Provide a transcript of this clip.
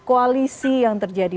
koalisi yang terjadi